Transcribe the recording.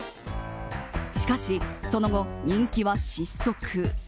しかし、その後人気は失速。